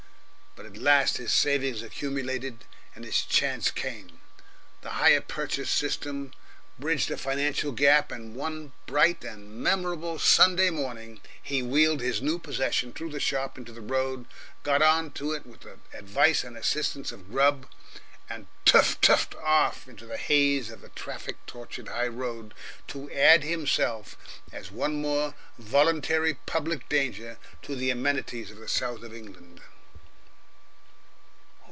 But at last his savings accumulated, and his chance came. The hire purchase system bridged a financial gap, and one bright and memorable Sunday morning he wheeled his new possession through the shop into the road, got on to it with the advice and assistance of Grubb, and teuf teuffed off into the haze of the traffic tortured high road, to add himself as one more voluntary public danger to the amenities of the south of England.